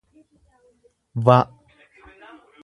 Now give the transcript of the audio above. v